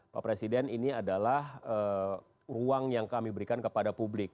pak presiden ini adalah ruang yang kami berikan kepada publik